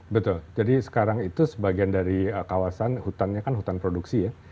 betul jadi sekarang itu sebagian dari kawasan hutannya kan hutan produksi ya